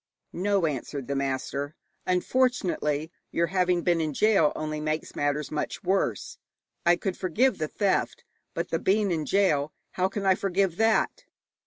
'No,' answered the master, 'unfortunately, your having been in gaol only makes matters much worse. I could forgive the theft, but the being in gaol how can I forgive that?'